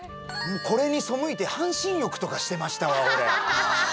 これに背いて半身浴とかしてましたわ俺。